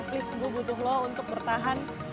please gue butuh lo untuk bertahan